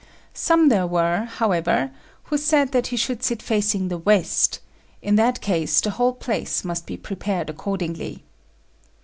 Some there were, however, who said that he should sit facing the west: in that case the whole place must be prepared accordingly.